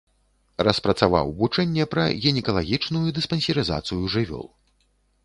Распрацаваў вучэнне пра гінекалагічную дыспансерызацыю жывёл.